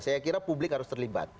saya kira publik harus terlibat